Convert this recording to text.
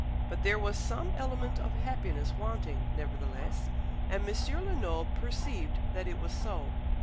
But there was some element of happiness wanting, nevertheless; and M. Lenoble perceived that it was so.